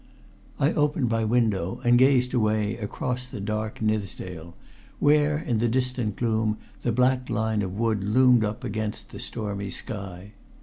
I opened my window and gazed away across the dark Nithsdale, where, in the distant gloom, the black line of wood loomed up against the stormy sky.